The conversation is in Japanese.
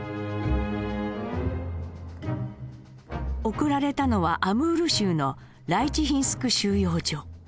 送られたのはアムール州のライチヒンスク収容所。